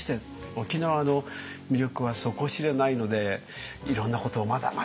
沖縄の魅力は底知れないのでいろんなことをまだまだ知りたい。